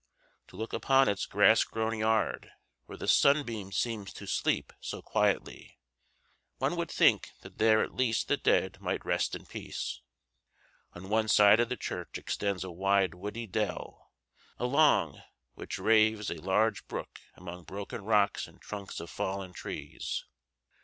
To look upon its grass grown yard, where the sunbeams seem to sleep so quietly, one would think that there at least the dead might rest in peace. On one side of the church extends a wide woody dell, along, which raves a large brook among broken rocks and trunks of fallen trees.